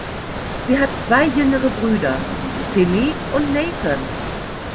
Sie hat zwei jüngere Brüder, Timmy und Nathan.